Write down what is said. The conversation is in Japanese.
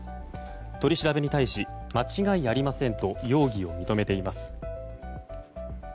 取り調べに対し間違いありませんと容疑を認めています。